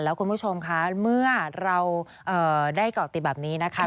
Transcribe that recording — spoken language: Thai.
แล้วคุณผู้ชมคะเมื่อเราได้เกาะติดแบบนี้นะคะ